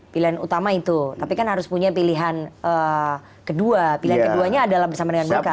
pilihan utama itu tapi kan harus punya pilihan kedua pilihan keduanya adalah bersama dengan golkar